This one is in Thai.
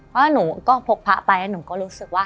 เพราะหนูก็พกพระไปแล้วหนูก็รู้สึกว่า